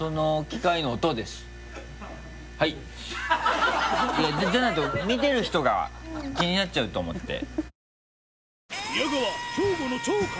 ［機械音］いやじゃないと見てる人が気になっちゃうと思って。